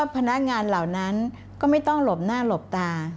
พนักงานเหล่านั้นก็ไม่ต้องหลบหน้าหลบตา